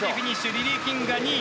リリー・キングが２位。